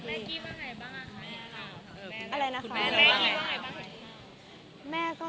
ก็บอกว่าเซอร์ไพรส์ไปค่ะ